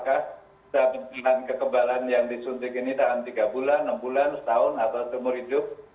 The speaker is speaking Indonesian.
kalau sudah aman dan efektif apakah kekembaran yang disuntik ini tahan tiga bulan enam bulan satu tahun atau seumur hidup